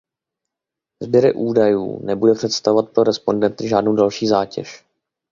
Sběr údajů nebude představovat pro respondenty žádnou další zátěž.